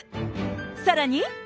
さらに。